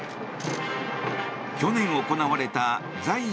去年行われた在位